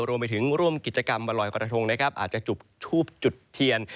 รวมไปถึงร่วมกิจกรรมวรรลอยกรทงอาจจะจุบชูบจุดเทียน